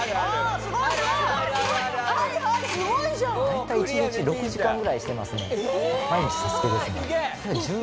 大体１日６時間ぐらいしてますね。